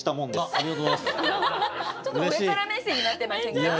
ちょっと上から目線になってませんか？